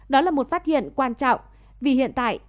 đó là một phát hiện quan trọng vì hiện tại